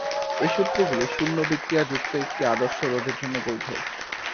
এই সূত্রগুলি শূন্য বিক্রিয়া যুক্ত একটি আদর্শ রোধের জন্য বৈধ।